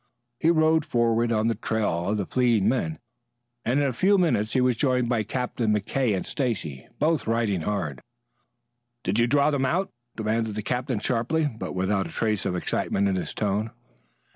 He rode forward, on the trail of the fleeing man. In a few minutes he was joined by Captain McKay and Stacy, both riding hard. "Did you draw them out?" demanded the captain sharply, but without a trace of excitement in his tone.